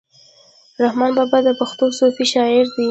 رحمان بابا د پښتو صوفي شاعر دی.